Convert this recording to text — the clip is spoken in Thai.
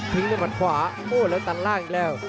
ทิ้งด้วยมัดขวาโหแล้วตัดล่างอีกแล้ว